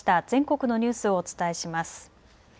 全国のニュースをお伝えします。